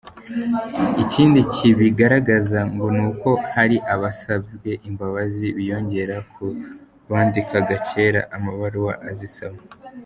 Ikindi kibigaragaza ngo ni uko hari abasabye imbabazi biyongera ku bandikaga kera amabaruwa azisaba.